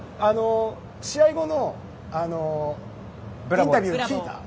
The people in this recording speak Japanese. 試合後のインタビュー聞いた？